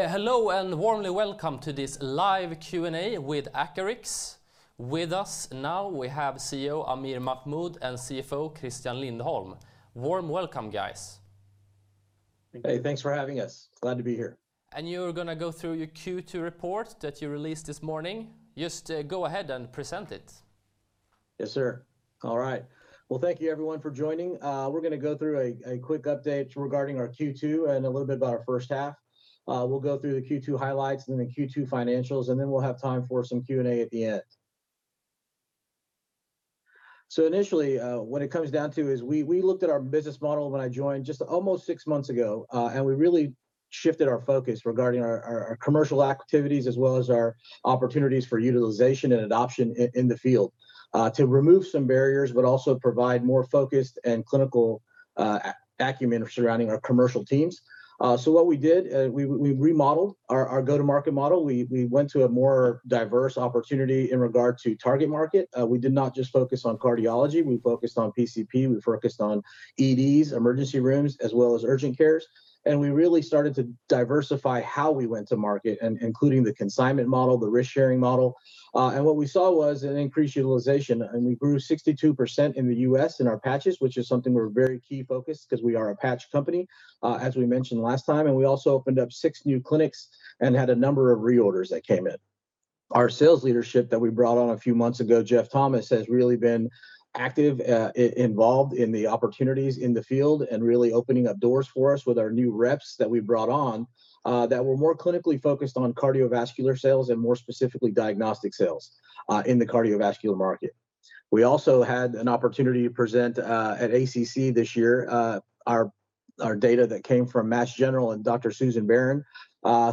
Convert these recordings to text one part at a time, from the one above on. Hello and warmly welcome to this live Q&A with Acarix. With us now, we have CEO Aamir Mahmood and CFO Christian Lindholm. Warm welcome, guys. Hey, thanks for having us. Glad to be here. And you are gonna go through your Q2 report that you released this morning. Just, go ahead and present it. Yes, sir. All right. Well, thank you everyone for joining. We're gonna go through a quick update regarding our Q2 and a little bit about our first half. We'll go through the Q2 highlights, then the Q2 financials, and then we'll have time for some Q&A at the end. So initially, what it comes down to is we looked at our business model when I joined just almost six months ago, and we really shifted our focus regarding our commercial activities as well as our opportunities for utilization and adoption in the field. To remove some barriers, but also provide more focused and clinical acumen surrounding our commercial teams. So what we did, we remodeled our go-to-market model we went to a more diverse opportunity in regard to target market we did not just focus on cardiology, we focused on PCP, we focused on EDs, emergency rooms, as well as urgent cares, and we really started to diversify how we went to market, including the consignment model, the risk-sharing model. And what we saw was an increased utilization, and we grew 62% in the U.S. in our patches, which is something we're very key focused, 'cause we are a patch company, as we mentioned last time, and we also opened up six new clinics and had a number of reorders that came in. Our sales leadership that we brought on a few months ago, Jeff Thomas, has really been active, involved in the opportunities in the field and really opening up doors for us with our new reps that we brought on, that were more clinically focused on cardiovascular sales and more specifically diagnostic sales, in the cardiovascular market. We also had an opportunity to present, at ACC this year, our data that came from Mass General and Dr. Susan Baron,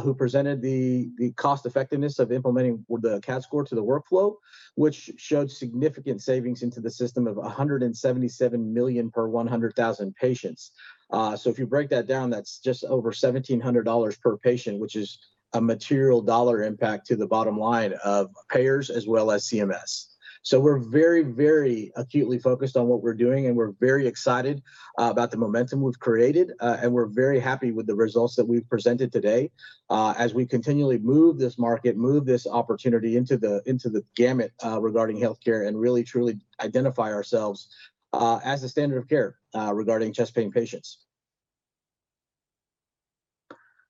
who presented the cost effectiveness of implementing the CADScor to the workflow, which showed significant savings into the system of a 177 million per 100,000 patients. So if you break that down, that's just over $1,700 per patient, which is a material dollar impact to the bottom line of payers as well as CMS. So we're very, very acutely focused on what we're doing, and we're very excited about the momentum we've created. And we're very happy with the results that we've presented today, as we continually move this market, move this opportunity into the gamut, regarding healthcare and really truly identify ourselves as the standard of care, regarding chest pain patients.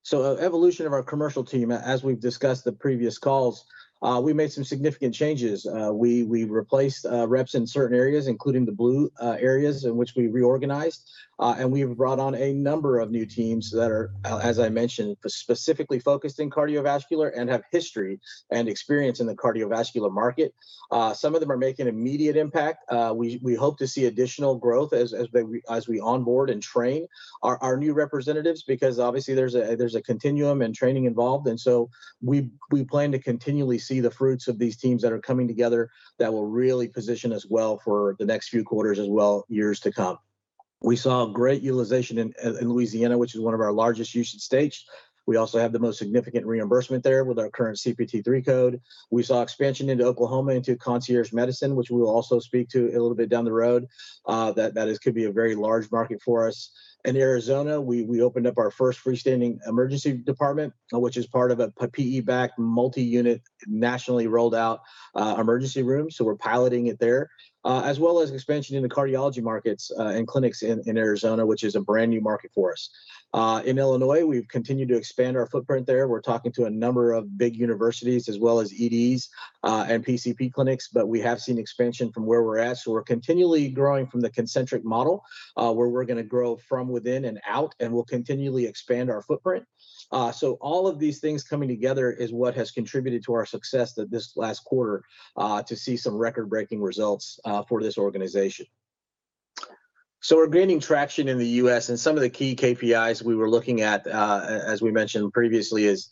So the evolution of our commercial team, as we've discussed the previous calls, we made some significant changes. We replaced reps in certain areas, including the blue areas in which we reorganized. And we've brought on a number of new teams that are, as I mentioned, specifically focused in cardiovascular and have history and experience in the cardiovascular market. Some of them are making immediate impact. We hope to see additional growth as we onboard and train our new representatives, because obviously there's a continum and training involved, and so we plan to continually see the fruits of these teams that are coming together that will really position us well for the next few quarters as well, years to come. We saw great utilization in Louisiana, which is one of our largest usage states. We also have the most significant reimbursement there with our current CPT III code. We saw expansion into Oklahoma, into concierge medicine, which we'll also speak to a little bit down the road Ihat could be a very large market for us. In Arizona, we opened up our first freestanding emergency department, which is part of a PE-backed, multi-unit, nationally rolled out emergency room, so we're piloting it there. As well as expansion in the cardiology markets and clinics in Arizona, which is a brand-new market for us. In Illinois, we've continued to expand our footprint there we're talking to a number of big universities as well as EDs and PCP clinics, but we have seen expansion from where we're at, so we're continually growing from the concentric model. Where we're gonna grow from within and out, and we'll continually expand our footprint, so all of these things coming together is what has contributed to our success that this last quarter to see some record-breaking results for this organization. So we're gaining traction in the US, and some of the key KPIs we were looking at, as we mentioned previously, is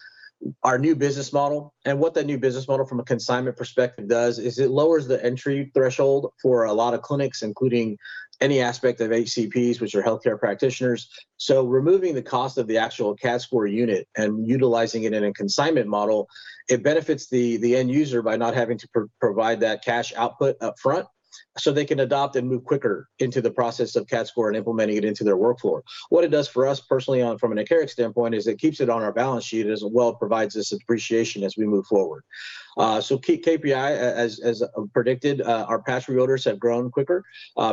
our new business model. And what that new business model from a consignment perspective does is it lowers the entry threshold for a lot of clinics, including any aspect of HCPs, which are healthcare practitioners. So removing the cost of the actual CADScor unit and utilizing it in a consignment model, it benefits the end user by not having to provide that cash output upfront, so they can adopt and move quicker into the process of CADScor and implementing it into their workflow. What it does for us personally from an Acarix standpoint is it keeps it on our balance sheet, as well provides us appreciation as we move forward. So key KPI, as predicted, our patch reorders have grown quicker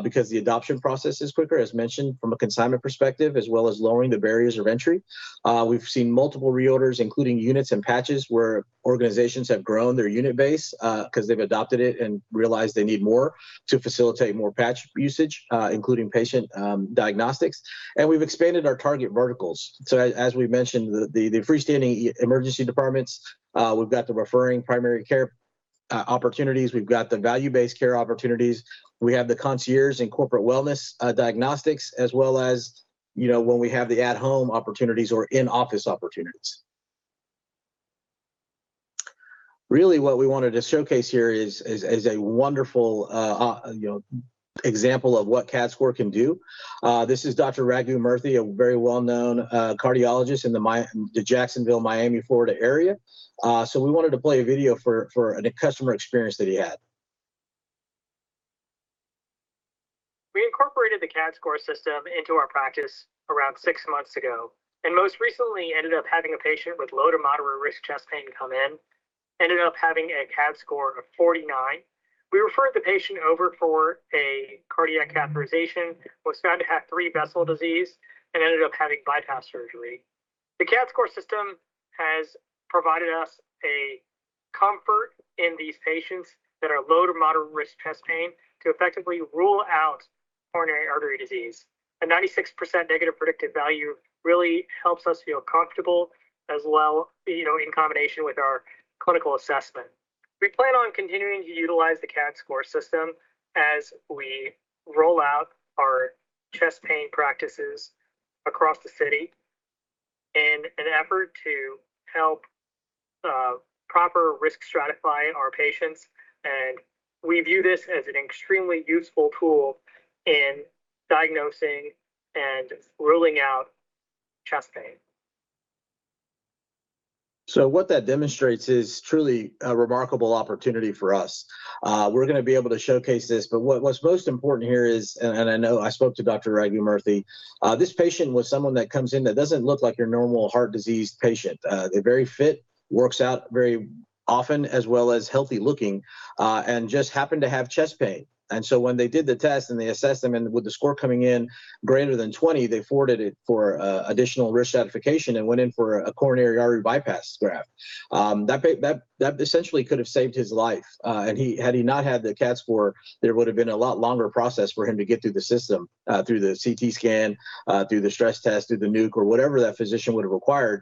because the adoption process is quicker, as mentioned, from a consignment perspective, as well as lowering the barriers of entry. We've seen multiple reorders, including units and patches, where organizations have grown their unit base, cause they've adopted it and realized they need more to facilitate more patch usage, including patient diagnostics. We've expanded our target verticals. As we've mentioned, the freestanding emergency departments, we've got the referring primary care opportunities, we've got the value-based care opportunities, we have the concierge and corporate wellness diagnostics, as well as, you know, when we have the at-home opportunities or in-office opportunities. Really, what we wanted to showcase here is a wonderful, you know, example of what CADScor can do. This is Dr. Raghu Murthy, a very well-known cardiologist in the Jacksonville, Miami, Florida, area. So we wanted to play a video for a customer experience that he had.... CADScor System into our practice around six months ago, and most recently ended up having a patient with low to moderate risk chest pain come in, ended up having a CADScor of 49. We referred the patient over for a cardiac catheterization, was found to have three vessel disease, and ended up having bypass surgery. The CADScor System has provided us a comfort in these patients that are low to moderate risk chest pain, to effectively rule out coronary artery disease. A 96% negative predictive value really helps us feel comfortable as well, you know, in combination with our clinical assessment. We plan on continuing to utilize the CADScor system as we roll out our chest pain practices across the city in an effort to help proper risk stratify our patients, and we view this as an extremely useful tool in diagnosing and ruling out chest pain. What that demonstrates is truly a remarkable opportunity for us. We're gonna be able to showcase this, but what's most important here is, I know I spoke to Dr. Raghu Murthy, this patient was someone that comes in that doesn't look like your normal heart disease patient. They're very fit, works out very often, as well as healthy looking, and just happened to have chest pain. When they did the test and they assessed him, and with the score coming in greater than 20, they forwarded it for additional risk stratification and went in for a coronary artery bypass graft. That essentially could have saved his life. And had he not had the CADScor, there would've been a lot longer process for him to get through the system, through the CT scan, through the stress test, through the nuc, or whatever that physician would have required.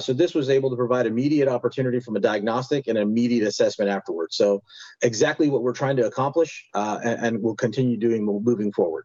So this was able to provide immediate opportunity from a diagnostic and immediate assessment afterwards. So exactly what we're trying to accomplish, and we'll continue doing moving forward.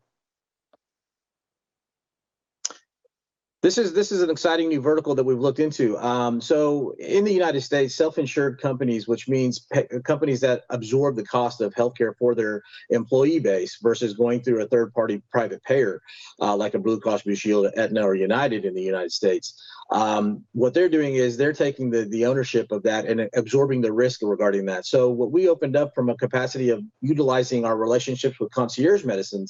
This is an exciting new vertical that we've looked into. So in the United States, self-insured companies, which means companies that absorb the cost of healthcare for their employee base versus going through a third-party private payer, like a Blue Cross Blue Shield, Aetna, or United in the United States. What they're doing is they're taking the ownership of that and absorbing the risk regarding that so what we opened up from a capacity of utilizing our relationships with concierge medicine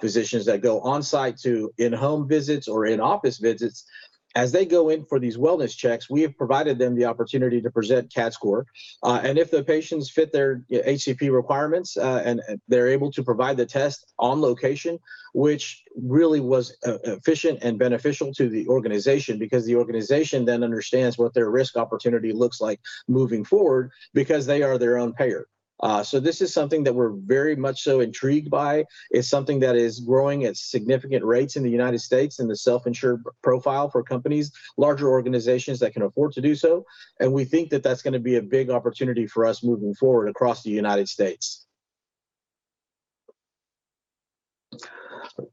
physicians that go on-site to in-home visits or in-office visits. As they go in for these wellness checks, we have provided them the opportunity to present CADScor, and if the patients fit their HCP requirements, and they're able to provide the test on location, which really was efficient and beneficial to the organization, because the organization then understands what their risk opportunity looks like moving forward, because they are their own payer, so this is something that we're very much so intrigued by. It's something that is growing at significant rates in the United States and the self-insured profile for companies, larger organizations that can afford to do so, and we think that that's gonna be a big opportunity for us moving forward across the United States.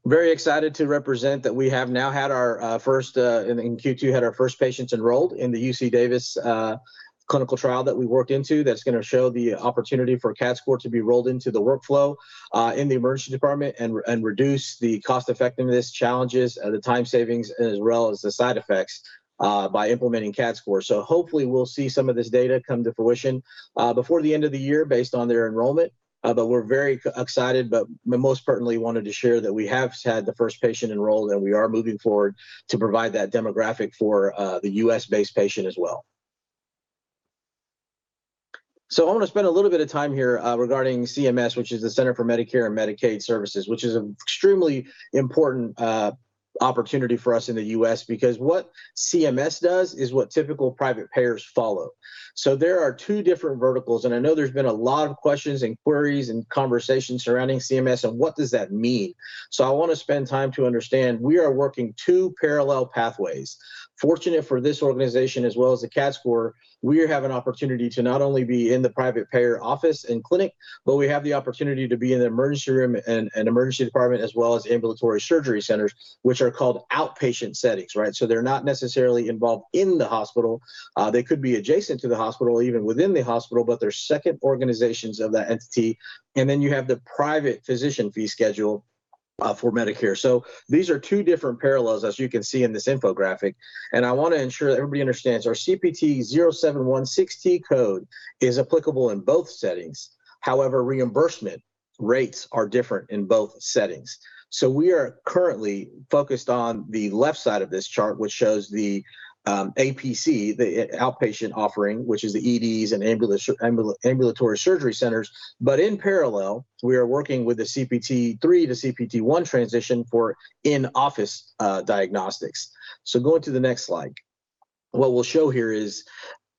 Very excited to represent that we have now had our first in Q2 had our first patients enrolled in the UC Davis clinical trial that we worked into that's gonna show the opportunity for CADScor to be rolled into the workflow. In the emergency department and reduce the cost-effectiveness challenges, the time savings, as well as the side effects by implementing CADScor.so hopefully we'll see some of this data come to fruition Before the end of the year, based on their enrollment. But we're very excited, but most certainly wanted to share that we have had the first patient enrolled, and we are moving forward to provide that demographic for the US-based patient as well. So I want to spend a little bit of time here regarding CMS, which is the Centers for Medicare & Medicaid Services, which is an extremely important opportunity for us in the U.S., because what CMS does is what typical private payers follow. So there are two different verticals, and I know there's been a lot of questions, and queries, and conversations surrounding CMS, and what does that mean? So I want to spend time to understand, we are working two parallel pathways. Fortunate for this organization as well as the CADScor, we have an opportunity to not only be in the private payer office and clinic, but we have the opportunity to be in the emergency room and emergency department, as well as ambulatory surgery centers, which are called outpatient settings, right? So they're not necessarily involved in the hospital. They could be adjacent to the hospital, even within the hospital, but they're second organizations of that entity, and then you have the private physician fee schedule for Medicare, so these are two different parallels, as you can see in this infographic, and I want to ensure that everybody understands our CPT 0716T code is applicable in both settings, however, reimbursement rates are different in both settings. So we are currently focused on the left side of this chart, which shows the outpatient offering, which is the EDs and ambulatory surgery centers, but in parallel, we are working with the CPT III to CPT I transition for in-office diagnostics, so going to the next slide, what we'll show here is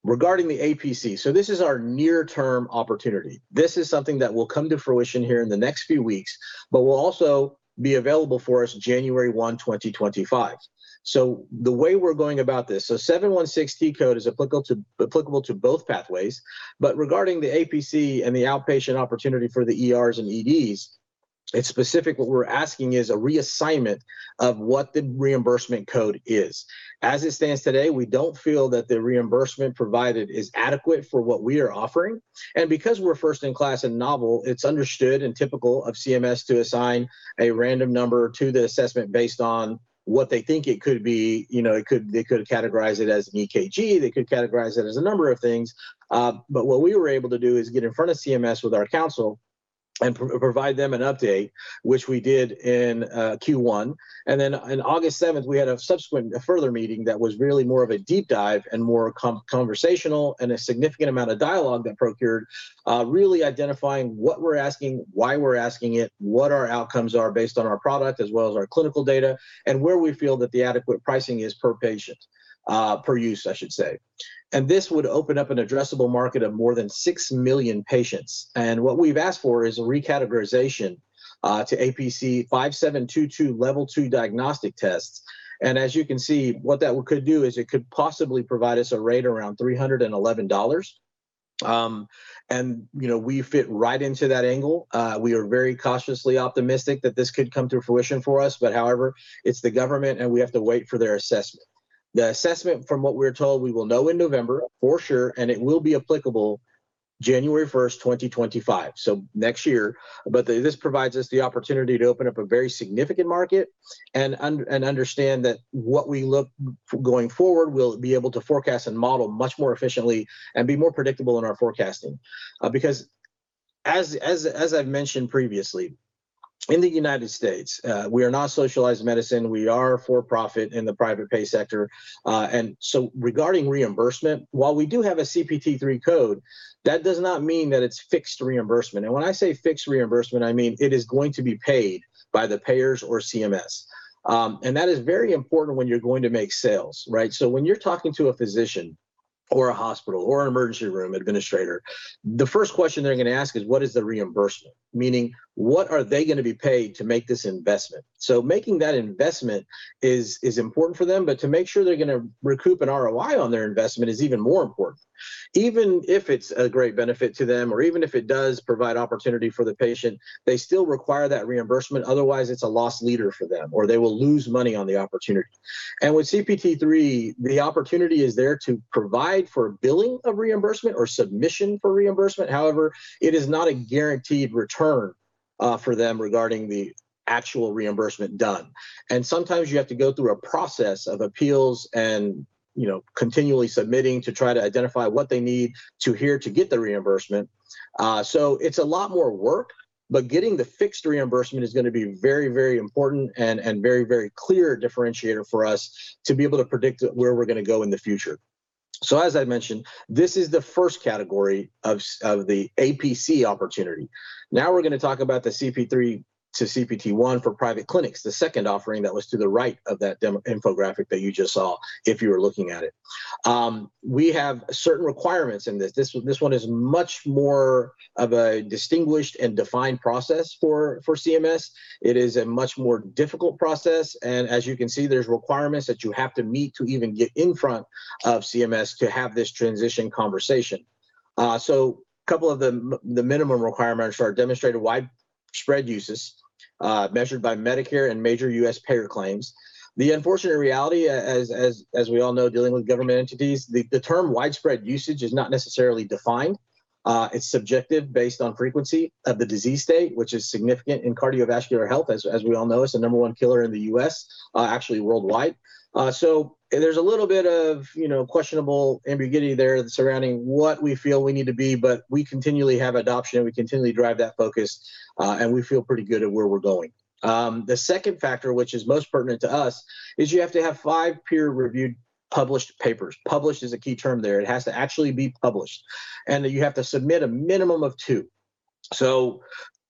regarding the APC, so this is our near-term opportunity. This is something that will come to fruition here in the next few weeks, but will also be available for us January 1, 2025. So the way we're going about this, 0716T code is applicable to both pathways, but regarding the APC and the outpatient opportunity for the ERs and EDs, it's specific what we're asking is a reassignment of what the reimbursement code is. As it stands today, we don't feel that the reimbursement provided is adequate for what we are offering. And because we're first in class and novel, it's understood and typical of CMS to assign a random number to the assessment based on what they think it could be you know, they could categorize it as an EKG, they could categorize it as a number of things. But what we were able to do is get in front of CMS with our counsel and provide them an update, which we did in Q1. And then on August seventh, we had a subsequent, a further meeting that was really more of a deep dive and more conversational, and a significant amount of dialogue that produced really identifying what we're asking, why we're asking it, what our outcomes are based on our product as well as our clinical data, and where we feel that the adequate pricing is per patient, per use, I should say. And this would open up an addressable market of more than six million patients and what we've asked for is a recategorization to APC 5722 Level 2 diagnostic tests. As you can see, what that could do is it could possibly provide us a rate around $311. And, you know, we fit right into that angle. We are very cautiously optimistic that this could come to fruition for us, but however, it's the government, and we have to wait for their assessment. The assessment, from what we're told, we will know in November for sure, and it will be applicable January 1, 2025, so next year. This provides us the opportunity to open up a very significant market and understand that what we look going forward, we'll be able to forecast and model much more efficiently and be more predictable in our forecasting. Because as I've mentioned previously. In the United States, we are not socialized medicine we are for-profit in the private pay sector, and so regarding reimbursement, while we do have a CPT III code, that does not mean that it's fixed reimbursement, and when I say fixed reimbursement, I mean it is going to be paid by the payers or CMS, and that is very important when you're going to make sales, right, so when you're talking to a physician or a hospital or an emergency room administrator. The first question they're gonna ask is, "What is the reimbursement?" Meaning, what are they gonna be paid to make this investment, so making that investment is important for them, but to make sure they're gonna recoup an ROI on their investment is even more important. Even if it's a great benefit to them, or even if it does provide opportunity for the patient, they still require that reimbursement, otherwise it's a loss leader for them, or they will lose money on the opportunity. And with CPT III, the opportunity is there to provide for billing of reimbursement or submission for reimbursement however, it is not a guaranteed return for them regarding the actual reimbursement done. And sometimes you have to go through a process of appeals and, you know, continually submitting to try to identify what they need to hear to get the reimbursement. So it's a lot more work, but getting the fixed reimbursement is gonna be very, very important and, and very, very clear differentiator for us to be able to predict where we're gonna go in the future. So as I mentioned, this is the first category of the APC opportunity. Now we're gonna talk about the CPT III to CPT I for private clinics, the second offering that was to the right of that demo infographic that you just saw, if you were looking at it. We have certain requirements in this this one is much more of a distinguished and defined process for CMS. It is a much more difficult process, and as you can see, there's requirements that you have to meet to even get in front of CMS to have this transition conversation. So a couple of the minimum requirements are demonstrated widespread uses, measured by Medicare and major U.S. payer claims. The unfortunate reality as we all know, dealing with government entities, the term widespread usage is not necessarily defined. It's subjective based on frequency of the disease state, which is significant in cardiovascular health as we all know, it's the number one killer in the U.S., actually worldwide, so there's a little bit of, you know, questionable ambiguity there surrounding what we feel we need to be, but we continually have adoption, and we continually drive that focus, and we feel pretty good at where we're going. The second factor, which is most pertinent to us, is you have to have five peer-reviewed published papers. Published is a key term there it has to actually be published, and you have to submit a minimum of two.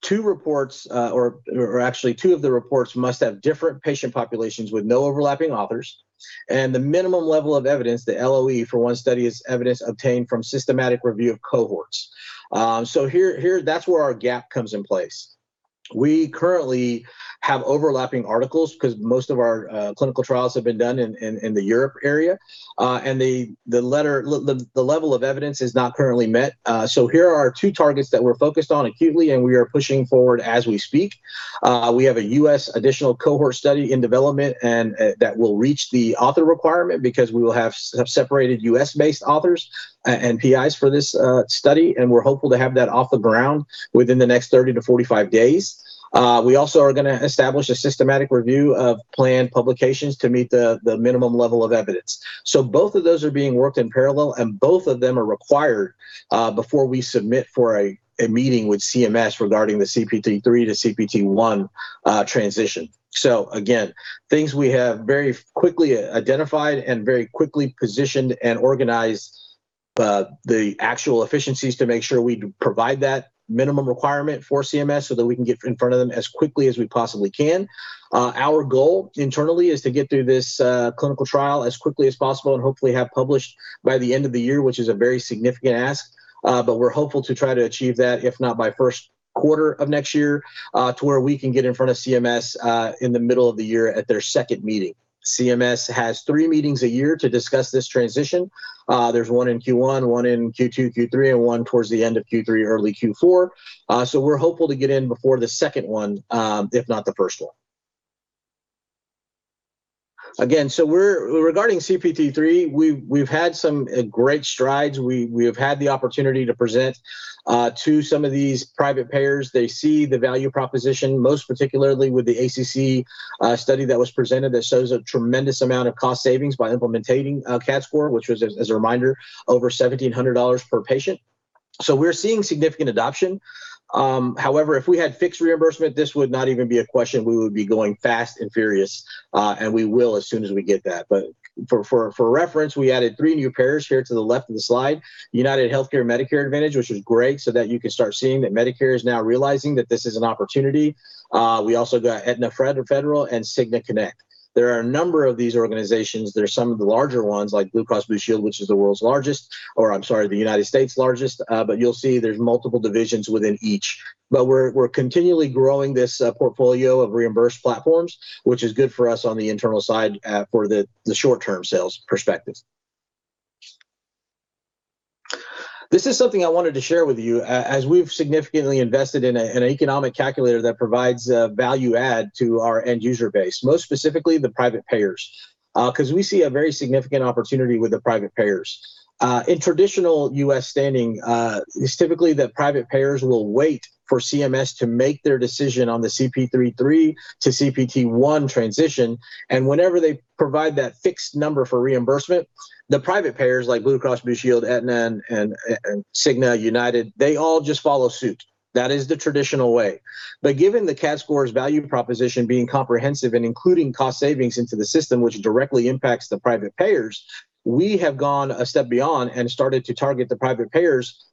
Two reports, actually two of the reports must have different patient populations with no overlapping authors, and the minimum level of evidence, the LOE, for one study is evidence obtained from systematic review of cohorts. So here, that's where our gap comes in place. We currently have overlapping articles cause most of our clinical trials have been done in Europe, and the level of evidence is not currently met. So here are our two targets that we're focused on acutely, and we are pushing forward as we speak. We have a U.S. additional cohort study in development, and that will reach the author requirement because we will have separated U.S.-based authors and PIs for this study, and we're hopeful to have that off the ground within the next 30-45 days. We also are gonna establish a systematic review of planned publications to meet the minimum level of evidence. So both of those are being worked in parallel, and both of them are required before we submit for a meeting with CMS regarding the CPT III to CPT I transition so again, things we have very quickly identified and very quickly positioned and organized the actual efficiencies to make sure we provide that minimum requirement for CMS so that we can get in front of them as quickly as we possibly can. Our goal internally is to get through this clinical trial as quickly as possible and hopefully have published by the end of the year, which is a very significant ask, but we're hopeful to try to achieve that, if not by first quarter of next year, to where we can get in front of CMS in the middle of the year at their second meeting. CMS has three meetings a year to discuss this transition. There's one in Q1, one in Q2, Q3, and one towards the end of Q3, early Q4, so we're hopeful to get in before the second one, if not the first one. Again, so we're regarding CPT III, we've had some great strides we have had the opportunity to present to some of these private payers they see the value proposition, most particularly with the ACC study that was presented that shows a tremendous amount of cost savings by implementing CADScor, which was, as a reminder, over $1,700 per patient, so we're seeing significant adoption. However, if we had fixed reimbursement, this would not even be a question we would be going fast and furious, and we will as soon as we get that, but for reference, we added three new payers here to the left of the slide, UnitedHealthcare Medicare Advantage, which is great, so that you can start seeing that Medicare is now realizing that this is an opportunity. We also got Aetna Federal and Cigna Connect. There are a number of these organizations there are some of the larger ones, like Blue Cross Blue Shield, which is the world's largest or I'm sorry, the United States' largest, but you'll see there's multiple divisions within each. But we're continually growing this portfolio of reimbursed platforms, which is good for us on the internal side, for the short-term sales perspective. This is something I wanted to share with you, as we've significantly invested in an economic calculator that provides value add to our end user base, most specifically the private payers, 'cause we see a very significant opportunity with the private payers. In traditional U.S. standing, it's typically that private payers will wait for CMS to make their decision on the CPT III to CPT I transition, and whenever they provide that fixed number for reimbursement, the private payers, like Blue Cross Blue Shield, Aetna, and Cigna, United, they all just follow suit. That is the traditional way. Given the CADScor's value proposition being comprehensive and including cost savings into the system, which directly impacts the private payers. We have gone a step beyond and started to target the private payers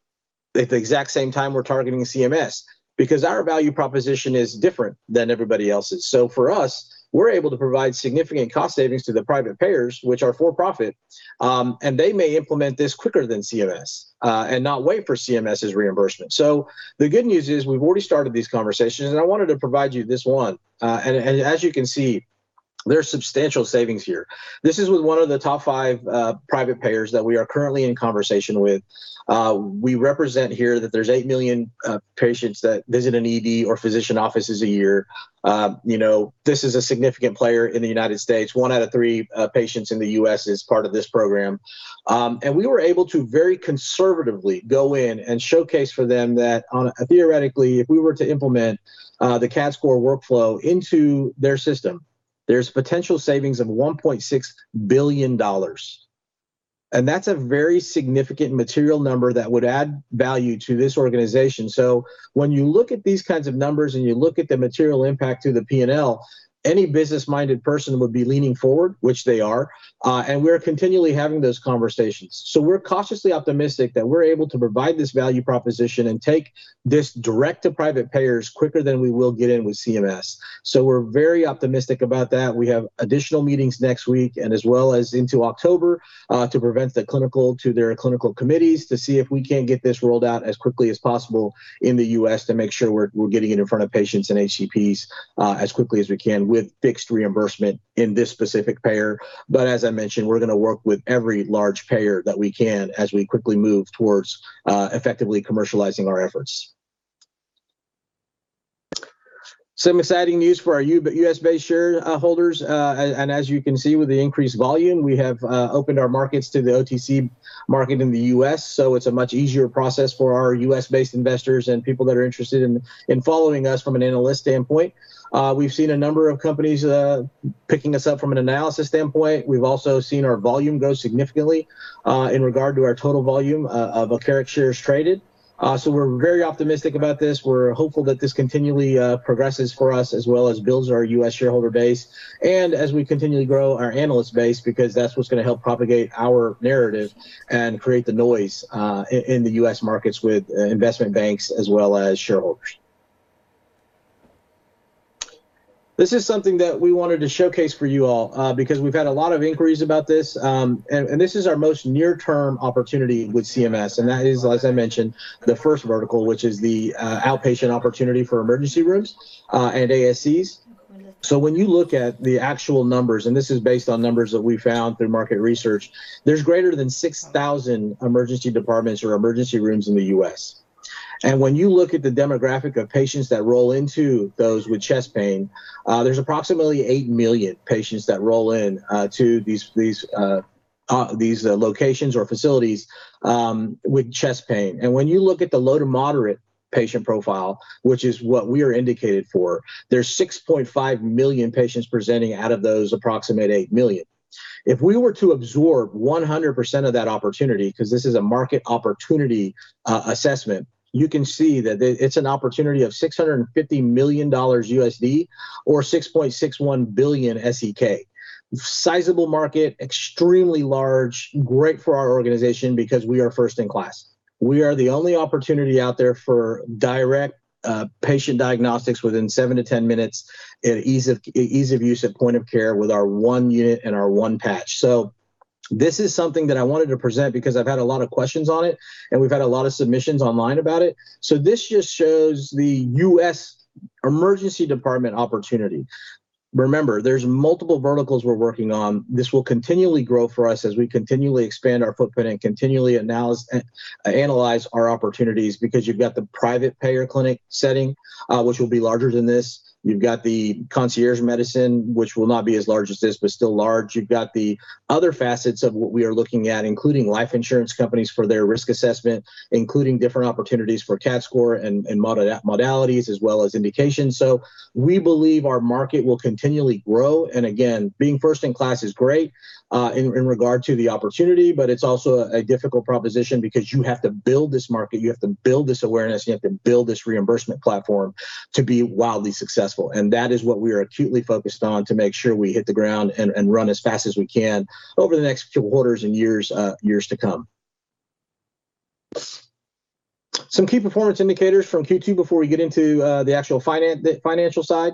at the exact same time we're targeting CMS. Because our value proposition is different than everybody else's for us, we're able to provide significant cost savings to the private payers, which are for-profit. And they may implement this quicker than CMS, and not wait for CMS's reimbursement. The good news is, we've already started these conversations, and I wanted to provide you this one. As you can see, there are substantial savings here. This is with one of the top five private payers that we are currently in conversation with. We represent here that there's 8 million patients that visit an ED or physician offices a year. You know, this is a significant player in the United States. One out of three patients in the U.S. is part of this program, and we were able to very conservatively go in and showcase for them that theoretically, if we were to implement the CADScor workflow into their system. there's potential savings of $1.6 billion, and that's a very significant material number that would add value to this organization, so when you look at these kinds of numbers and you look at the material impact to the P&L, any business-minded person would be leaning forward, which they are, and we're continually having those conversations so we're cautiously optimistic that we're able to provide this value proposition and take this direct to private payers quicker than we will get in with CMS. So we're very optimistic about that we have additional meetings next week and as well as into October to present the clinical to their clinical committees to see if we can't get this rolled out as quickly as possible in the U.S. to make sure we're getting it in front of patients and HCPs as quickly as we can with fixed reimbursement in this specific payer, but as I mentioned, we're gonna work with every large payer that we can as we quickly move towards effectively commercializing our efforts. Some exciting news for our US-based shareholders, and as you can see with the increased volume, we have opened our markets to the OTC market in the US, so it's a much easier process for our US-based investors and people that are interested in following us from an analyst standpoint. We've seen a number of companies picking us up from an analysis standpoint we've also seen our volume grow significantly in regard to our total volume of Acarix shares traded. So we're very optimistic about this we're hopeful that this continually progresses for us as well as builds our US shareholder base, and as we continually grow our analyst base, because that's what's gonna help propagate our narrative and create the noise in the US markets with investment banks as well as shareholders. This is something that we wanted to showcase for you all, because we've had a lot of inquiries about this, and this is our most near-term opportunity with CMS, and that is, as I mentioned, the first vertical, which is the outpatient opportunity for emergency rooms, and ASCs. So when you look at the actual numbers, and this is based on numbers that we found through market research, there's greater than 6,000 emergency departments or emergency rooms in the U.S. And when you look at the demographic of patients that roll into those with chest pain, there's approximately 8 million patients that roll in to these locations or facilities with chest pain when you look at the low to moderate patient profile, which is what we are indicated for, there are 6.5 million patients presenting out of those approximately 8 million. If we were to absorb 100% of that opportunity, 'cause this is a market opportunity assessment, you can see that it's an opportunity of USD $650 million or 6.61 billion SEK. Sizable market, extremely large, great for our organization because we are first in class. We are the only opportunity out there for direct patient diagnostics within 7-10 minutes at ease of use at point of care with our one unit and our one patch so this is something that I wanted to present because I've had a lot of questions on it, and we've had a lot of submissions online about it. So this just shows the U.S. emergency department opportunity. Remember, there's multiple verticals we're working on, this will continually grow for us as we continually expand our footprint and continually analyze our opportunities, because you've got the private payer clinic setting, which will be larger than this. You've got the concierge medicine, which will not be as large as this, but still large you've got the other facets of what we are looking at, including life insurance companies for their risk assessment, including different opportunities for CADScor and modalities as well as indications. We believe our market will continually grow, and again, being first in class is great in regard to the opportunity, but it's also a difficult proposition because you have to build this market, you have to build this awareness, you have to build this reimbursement platform to be wildly successful and that is what we are acutely focused on, to make sure we hit the ground and run as fast as we can over the next quarters and years to come. Some key performance indicators from Q2 before we get into the actual financial side.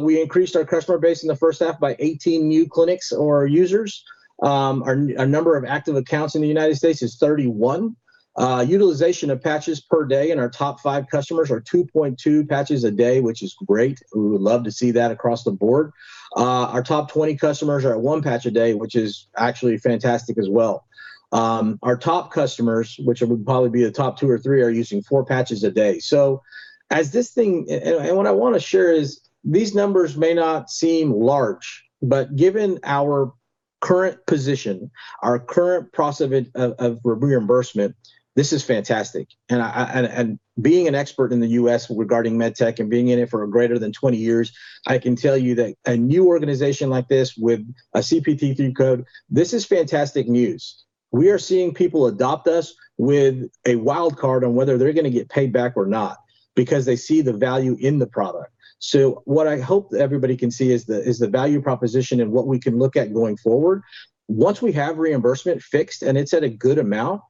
We increased our customer base in the first half by 18 new clinics or users. Our number of active accounts in the United States is 31. Utilization of patches per day in our top five customers are 2.2 patches a day, which is great we would love to see that across the board. Our top 20 customers are at one patch a day, which is actually fantastic as well. Our top customers, which would probably be the top two or three, are using four patches a day. So as this thing and what I wanna share is, these numbers may not seem large, but given our current position, our current process of reimbursement, this is fantastic, and being an expert in the U.S. regarding med tech and being in it for greater than 20 years, I can tell you that a new organization like this with a CPT III code, this is fantastic news. We are seeing people adopt us with a wild card on whether they're gonna get paid back or not, because they see the value in the product. So what I hope that everybody can see is the value proposition and what we can look at going forward. Once we have reimbursement fixed and it's at a good amount,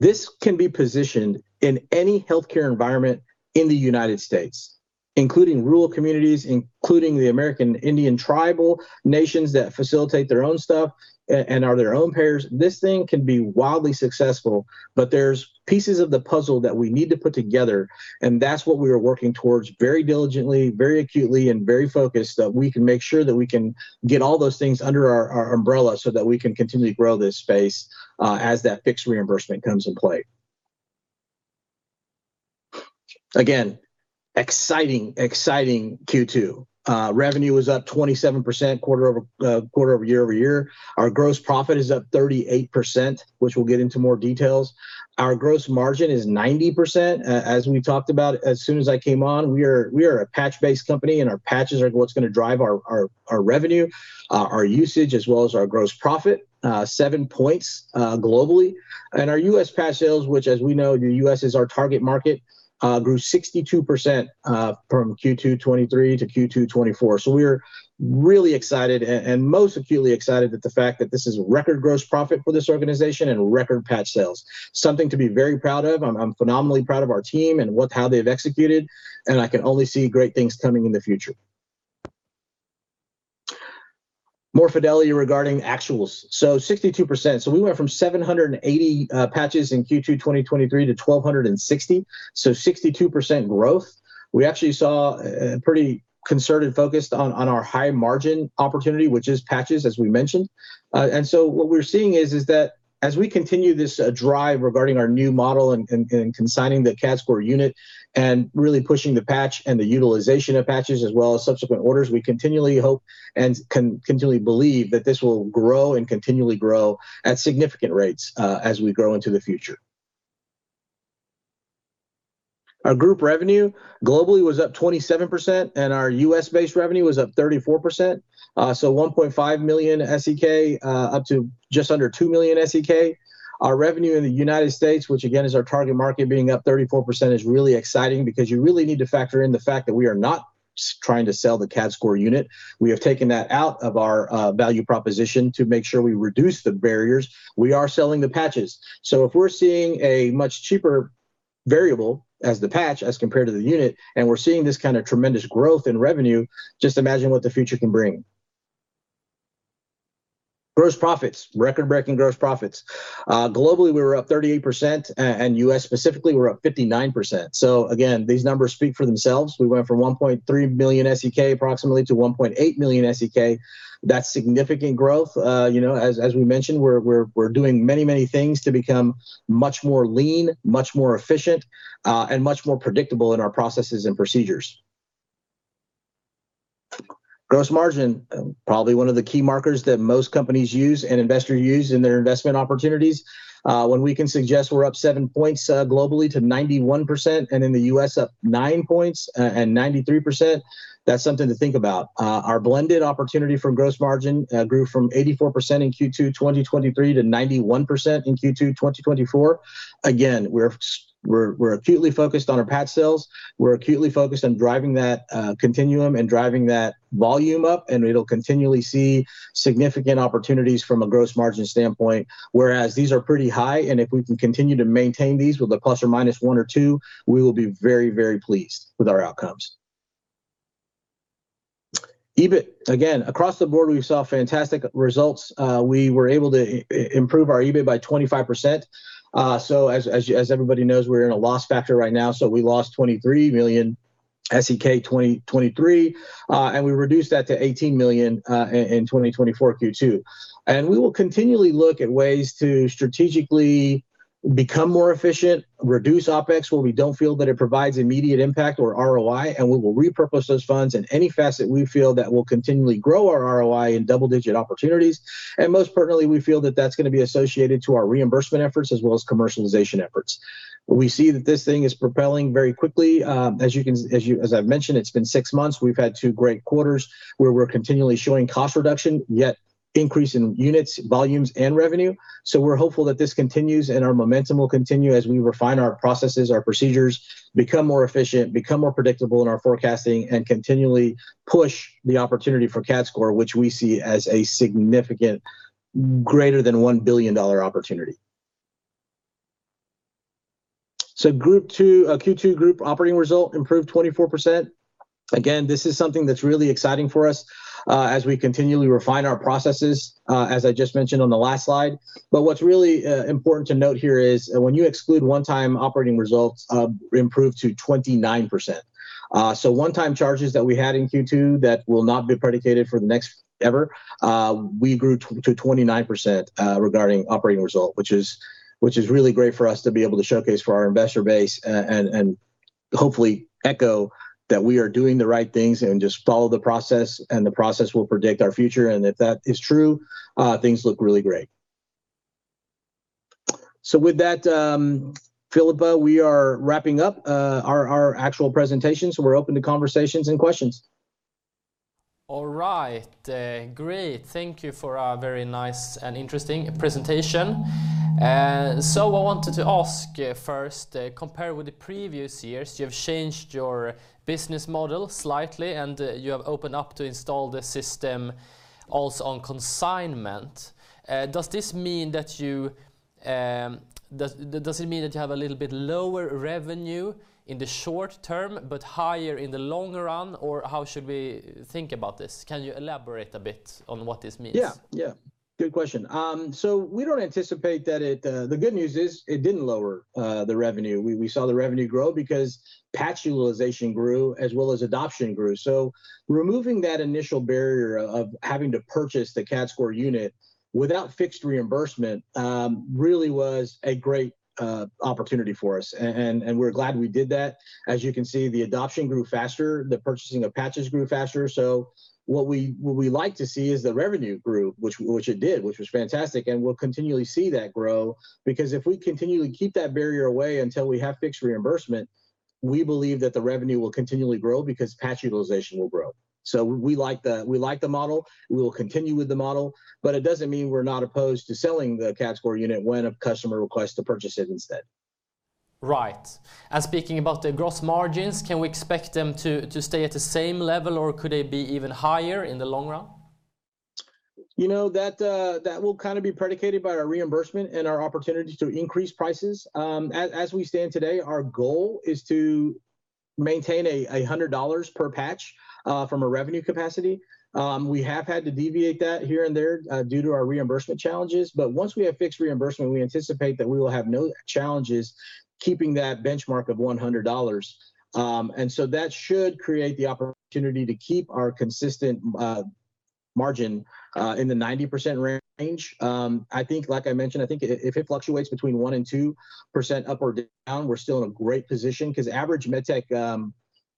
this can be positioned in any healthcare environment in the United States, including rural communities, including the American Indian tribal nations that facilitate their own stuff and are their own payers this thing can be wildly successful, but there's pieces of the puzzle that we need to put together, and that's what we are working towards very diligently, very acutely, and very focused, that we can make sure that we can get all those things under our umbrella so that we can continue to grow this space, as that fixed reimbursement comes in play. Again, exciting Q2. Revenue was up 27% quarter over quarter year over year. Our gross profit is up 38%, which we'll get into more details. Our gross margin is 90% as we talked about as soon as I came on, we are a patch-based company, and our patches are what's gonna drive our revenue, our usage, as well as our gross profit, seven points globally. And our U.S. patch sales, which, as we know, the U.S. is our target market, grew 62% from Q2 2023 to Q2 2024 so we're really excited and most acutely excited at the fact that this is record gross profit for this organization and record patch sales. Something to be very proud of. I'm phenomenally proud of our team and how they've executed, and I can only see great things coming in the future. More fidelity regarding actuals. So 62% so we went from 780 patches in Q2 2023 to 1,260, so 62% growth. We actually saw pretty concerted focused on our high margin opportunity, which is patches, as we mentioned. And so what we're seeing is that as we continue this drive regarding our new model and consigning the CADScor unit and really pushing the patch and the utilization of patches as well as subsequent orders, we continually hope and continually believe that this will grow and continually grow at significant rates as we grow into the future. Our group revenue globally was up 27%, and our US-based revenue was up 34%. So 1.5 million SEK up to just under 2 million SEK. Our revenue in the United States, which again is our target market, being up 34% is really exciting because you really need to factor in the fact that we are not trying to sell the CADScor unit. We have taken that out of our value proposition to make sure we reduce the barriers. We are selling the patches. So if we're seeing a much cheaper variable as the patch as compared to the unit, and we're seeing this kind of tremendous growth in revenue, just imagine what the future can bring. Gross profits, record-breaking gross profits. Globally, we were up 38%, and US specifically, we're up 59% so again, these numbers speak for themselves we went from 1.3 million SEK approximately to 1.8 million SEK. That's significant growth. You know, as we mentioned, we're doing many, many things to become much more lean, much more efficient, and much more predictable in our processes and procedures. Gross margin, probably one of the key markers that most companies use and investors use in their investment opportunities. When we can suggest we're up seven points globally to 91%, and in the US, up nine points and 93%, that's something to think about. Our blended opportunity for gross margin grew from 84% in Q2 2023 to 91% in Q2 2024. Again, we're acutely focused on our patch sales. We're acutely focused on driving that continuum and driving that volume up, and it'll continually see significant opportunities from a gross margin standpoint. Whereas these are pretty high, and if we can continue to maintain these with a plus or minus one or two, we will be very, very pleased with our outcomes. EBITDA again, across the board, we saw fantastic results. We were able to improve our EBITDA by 25%. As everybody knows, we're in a loss factor right now, so we lost 23 million in 2023, and we reduced that to 18 million in 2024 Q2. We will continually look at ways to strategically become more efficient, reduce OpEx when we don't feel that it provides immediate impact or ROI, and we will repurpose those funds in any facet we feel that will continually grow our ROI in double-digit opportunities. Most importantly, we feel that that's gonna be associated to our reimbursement efforts as well as commercialization efforts. We see that this thing is propelling very quickly. As I've mentioned, it's been six months we've had two great quarters where we're continually showing cost reduction, yet increase in units, volumes, and revenue. We're hopeful that this continues and our momentum will continue as we refine our processes, our procedures, become more efficient, become more predictable in our forecasting, and continually push the opportunity for CADScor, which we see as a significant greater than $1 billion opportunity. Group two, Q2 group operating result improved 24%. Again, this is something that's really exciting for us, as we continually refine our processes, as I just mentioned on the last slide. But what's really important to note here is, when you exclude one-time operating results, improved to 29%. So one-time charges that we had in Q2 that will not be repeated for the next ever, we grew to 29% regarding operating result, which is really great for us to be able to showcase for our investor base, and hopefully echo that we are doing the right things, and just follow the process, and the process will predict our future and if that is true, things look really great. So with that, Philippa, we are wrapping up our actual presentation, so we're open to conversations and questions. All right. Great. Thank you for a very nice and interesting presentation. So I wanted to ask you first, compared with the previous years, you've changed your business model slightly, and you have opened up to install the system also on consignment. Does this mean that you... Does it mean that you have a little bit lower revenue in the short term, but higher in the long run, or how should we think about this? Can you elaborate a bit on what this means? Yeah. Yeah, good question. So we don't anticipate that it the good news is, it didn't lower the revenue we saw the revenue grow because patch utilization grew, as well as adoption grew. So removing that initial barrier of having to purchase the CADScor unit without fixed reimbursement really was a great opportunity for us, and we're glad we did that. As you can see, the adoption grew faster, the purchasing of patches grew faster. So what we like to see is the revenue grew, which it did, which was fantastic, and we'll continually see that grow. Because if we continually keep that barrier away until we have fixed reimbursement, we believe that the revenue will continually grow because patch utilization will grow. So we like the model. We will continue with the model, but it doesn't mean we're not opposed to selling the CADScor unit when a customer requests to purchase it instead. Right. And speaking about the gross margins, can we expect them to stay at the same level, or could they be even higher in the long run? You know, that will kind of be predicated by our reimbursement and our opportunity to increase prices. As we stand today, our goal is to maintain $100 per patch from a revenue capacity. We have had to deviate that here and there due to our reimbursement challenges, but once we have fixed reimbursement, we anticipate that we will have no challenges keeping that benchmark of $100. And so that should create the opportunity to keep our consistent margin in the 90% range. I think, like I mentioned, I think if it fluctuates between 1% and 2% up or down, we're still in a great position, 'cause average med tech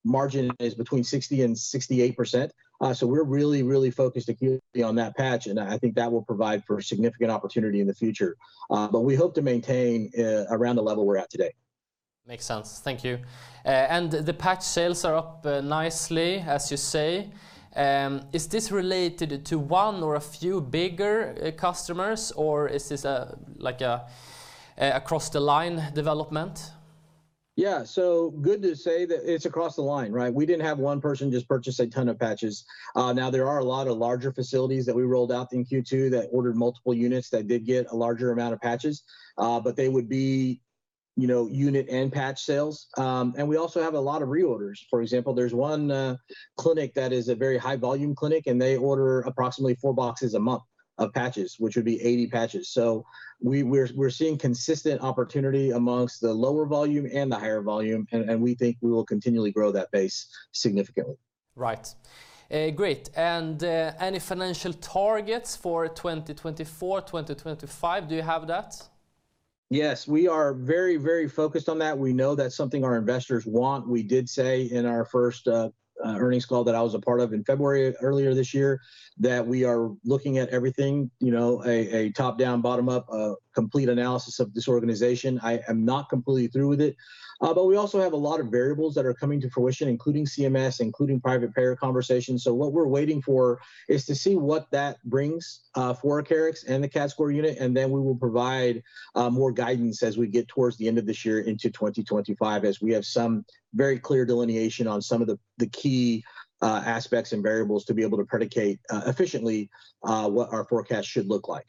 margin is between 60% and 68%. So we're really, really focused acutely on that patch, and I think that will provide for a significant opportunity in the future. But we hope to maintain around the level we're at today. Makes sense. Thank you. And the patch sales are up nicely, as you say. Is this related to one or a few bigger customers, or is this, like, a across-the-board development? Yeah, so good to say that it's across the line, right? We didn't have one person just purchase a ton of patches. Now there are a lot of larger facilities that we rolled out in Q2 that ordered multiple units that did get a larger amount of patches, but they would be, you know, unit and patch sales. And we also have a lot of reorders. For example, there's one clinic that is a very high-volume clinic, and they order approximately four boxes a month of patches, which would be 80 patches. So we're seeing consistent opportunity amongst the lower volume and the higher volume, and we think we will continually grow that base significantly. Right. Great, and any financial targets for 2024, 2025? Do you have that? Yes, we are very, very focused on that we know that's something our investors want, We did say in our first earnings call that I was a part of in February earlier this year, that we are looking at everything, you know, top-down, bottom-up, complete analysis of this organization i am not completely through with it. But we also have a lot of variables that are coming to fruition, including CMS, including private payer conversations so what we're waiting for? is to see what that brings for Acarix and the CADScor unit, and then we will provide more guidance as we get towards the end of this year into 2025, as we have some very clear delineation on some of the key aspects and variables to be able to predicate efficiently what our forecast should look like.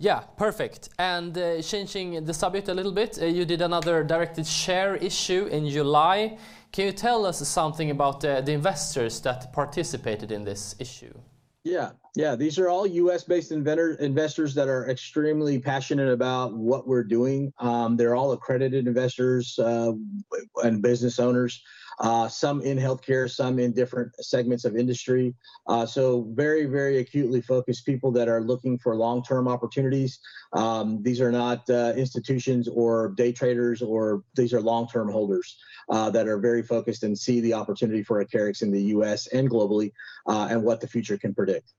Yeah, perfect. And, changing the subject a little bit, you did another directed share issue in July. Can you tell us something about, the investors that participated in this issue? Yeah. Yeah, these are all U.S.-based investors that are extremely passionate about what we're doing. They're all accredited investors, and business owners. Some in healthcare, some in different segments of industry. So very, very acutely focused people that are looking for long-term opportunities. These are not institutions or day traders or these are long-term holders that are very focused and see the opportunity for Acarix in the U.S. and globally, and what the future can predict.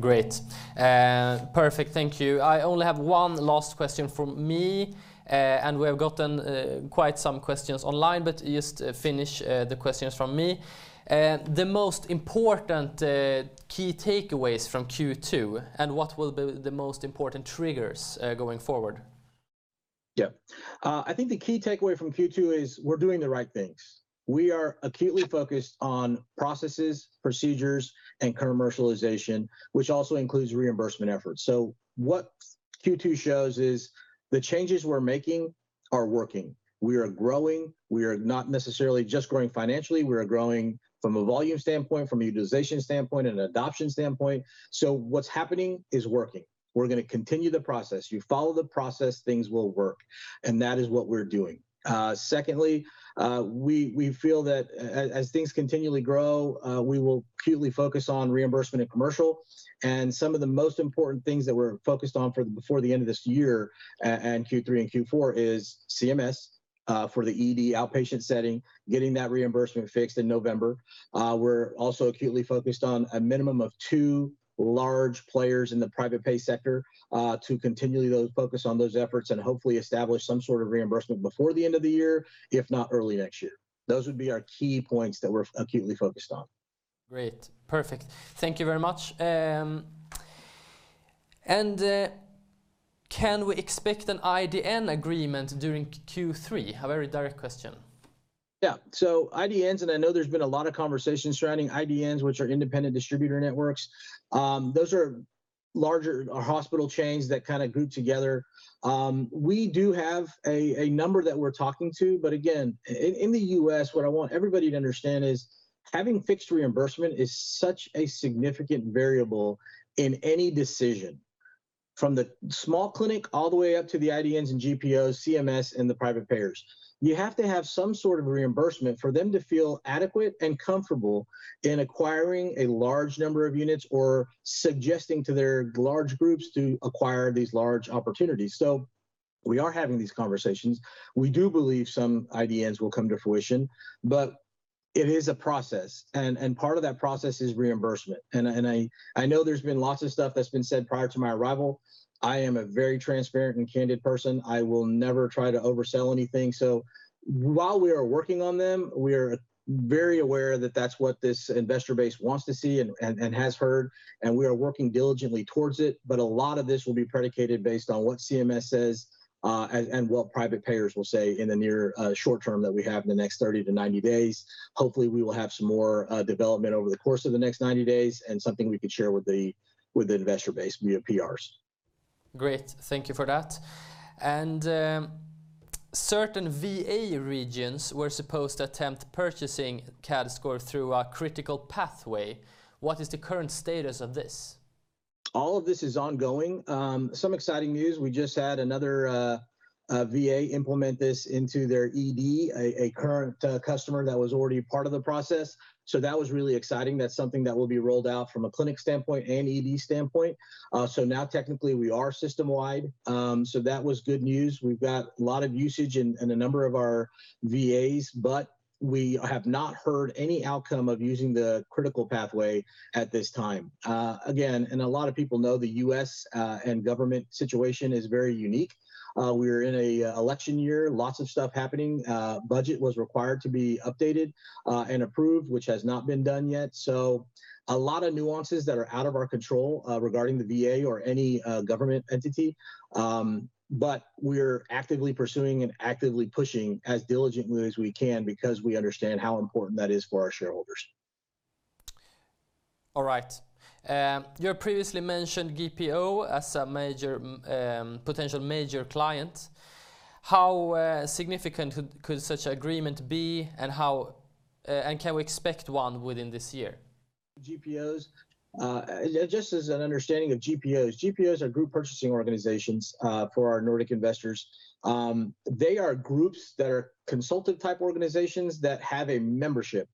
Great. Perfect. Thank you. I only have one last question from me, and we have gotten quite some questions online, but just finish the questions from me. The most important key takeaways from Q2, and what will be the most important triggers going forward? Yeah. I think the key takeaway from Q2 is, we're doing the right things. We are acutely focused on processes, procedures, and commercialization, which also includes reimbursement efforts so what Q2 shows is, the changes we're making are working. We are growing, we are not necessarily just growing financially, we are growing from a volume standpoint, from a utilization standpoint, and an adoption standpoint. So what's happening is working. We're gonna continue the process, you follow the process, things will work, and that is what we're doing. Secondly, we feel that as things continually grow, we will acutely focus on reimbursement and commercial, and some of the most important things that we're focused on before the end of this year, and Q3 and Q4, is CMS for the ED outpatient setting, getting that reimbursement fixed in November. We're also acutely focused on a minimum of two large players in the private pay sector, focus on those efforts, and hopefully establish some sort of reimbursement before the end of the year, if not early next year. Those would be our key points that we're acutely focused on. Great. Perfect. Thank you very much. And can we expect an IDN agreement during Q3? A very direct question. Yeah. So IDNs, and I know there's been a lot of conversation surrounding IDNs, which are independent distributor networks, those are larger hospital chains that kind of group together. We do have a number that we're talking to, but again, in the US, what I want everybody to understand is, having fixed reimbursement is such a significant variable in any decision. From the small clinic all the way up to the IDNs and GPOs, CMS, and the private payers. You have to have some sort of reimbursement for them to feel adequate and comfortable in acquiring a large number of units or suggesting to their large groups to acquire these large opportunities so we are having these conversations. We do believe some IDNs will come to fruition, but it is a process, and part of that process is reimbursement. I know there's been lots of stuff that's been said prior to my arrival. I am a very transparent and candid person i will never try to oversell anything. While we are working on them, we're very aware that that's what this investor base wants to see and has heard, and we are working diligently towards it but a lot of this will be predicated based on what CMS says, and what private payers will say in the near short term that we have in the next 30-90 days. Hopefully, we will have some more development over the course of the next 90 days, and something we can share with the investor base via PRs. Great, thank you for that. Certain VA regions were supposed to attempt purchasing CADScor through a critical pathway. What is the current status of this? All of this is ongoing. Some exciting news, we just had another VA implement this into their ED, a current customer that was already part of the process. So that was really exciting that's something that will be rolled out from a clinic standpoint and ED standpoint. So now technically we are system-wide. So that was good news we've got a lot of usage in a number of our VAs, but we have not heard any outcome of using the critical pathway at this time. Again, and a lot of people know the US and government situation is very unique. We're in an election year, lots of stuff happening. Budget was required to be updated and approved, which has not been done yet. A lot of nuances that are out of our control regarding the VA or any government entity. But we're actively pursuing and actively pushing as diligently as we can because we understand how important that is for our shareholders. All right. You previously mentioned GPO as a major potential major client. How significant could such an agreement be, and can we expect one within this year? GPOs. Just as an understanding of GPOs, GPOs are group purchasing organizations for our Nordic investors. They are groups that are consultant-type organizations that have a membership.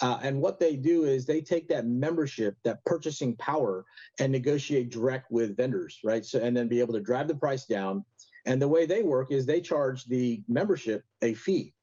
And what they do is they take that membership, that purchasing power, and negotiate direct with vendors, right? So, and then be able to drive the price down. And the way they work is they charge the membership a fee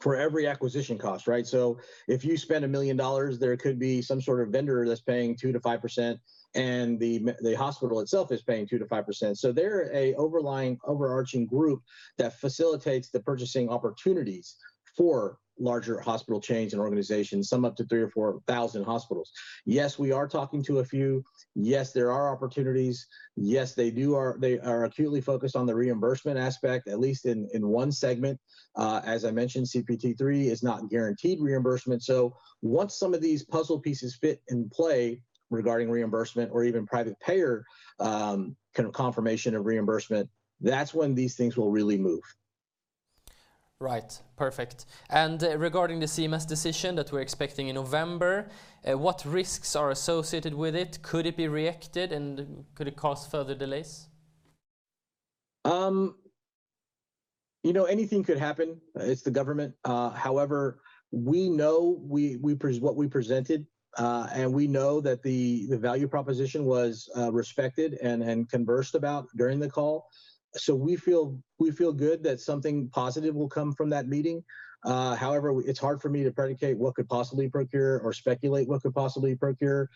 for every acquisition cost, right? So if you spend $1 million, there could be some sort of vendor that's paying 2%-5%, and the hospital itself is paying 2%-5% so they're an overlying, overarching group that facilitates the purchasing opportunities for larger hospital chains and organizations, some up to 3,000 or 4,000 hospitals. Yes, we are talking to a few. Yes, there are opportunities. Yes, they do... They are acutely focused on the reimbursement aspect, at least in one segment. As I mentioned, CPT III is not guaranteed reimbursement so once some of these puzzle pieces fit into place regarding reimbursement or even private payer kind of confirmation and reimbursement, that's when these things will really move. Right. Perfect. And regarding the CMS decision that we're expecting in November, what risks are associated with it? Could it be rejected, and could it cause further delays? You know, anything could happen. It's the government. However, we know what we presented, and we know that the value proposition was respected and conversed about during the call, so we feel good that something positive will come from that meeting. However, it's hard for me to predict what could possibly occur or speculate what could possibly occur,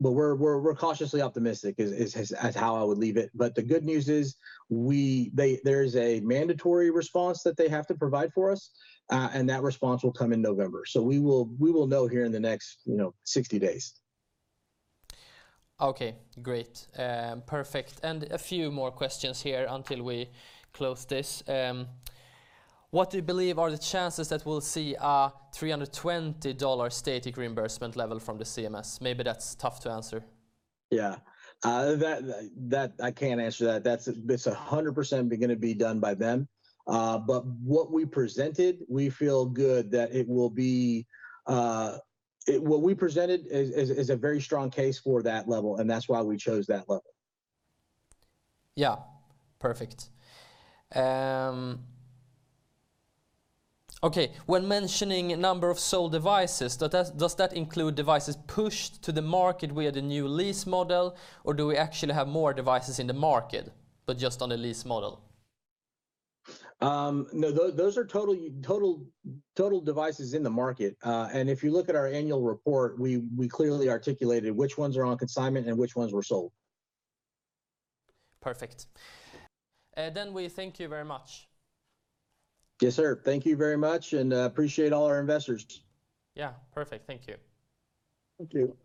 but we're cautiously optimistic, is how I would leave it, but the good news is, there is a mandatory response that they have to provide for us, and that response will come in November, so we will know here in the next, you know, 60 days. Okay, great. Perfect. A few more questions here until we close this. What do you believe are the chances that we'll see a $320 static reimbursement level from the CMS? Maybe that's tough to answer. Yeah. That, I can't answer that. It's 100% gonna be done by them. But what we presented, we feel good that it will be. What we presented is a very strong case for that level, and that's why we chose that level. Yeah, perfect. Okay, when mentioning number of sold devices, does that include devices pushed to the market via the new lease model, or do we actually have more devices in the market, but just on a lease model? No, those are total devices in the market, and if you look at our annual report, we clearly articulated which ones are on consignment and which ones were sold. Perfect. Then we thank you very much. Yes, sir. Thank you very much, and appreciate all our investors. Yeah, perfect. Thank you. Thank you.